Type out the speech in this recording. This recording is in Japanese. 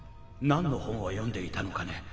何の本を読んでいたのかね？